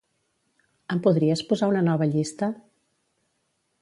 Em podries posar una nova llista?